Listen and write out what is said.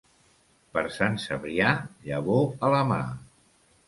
Per Sant Cebrià, llavor a la mà.